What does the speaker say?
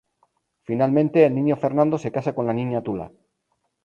Finalmente el Niño Fernando se casa con la Niña Tula.